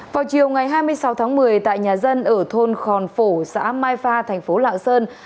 vào chiều ngày hai mươi sáu tháng một mươi tại nhà dân ở thôn khòn phổ xã mai pha thành phố lạng sơn